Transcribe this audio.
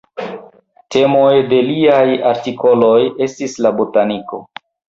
Temoj de liaj artikoloj estis la botaniko.